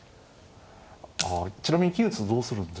ああちなみに金打つとどうするんですかね。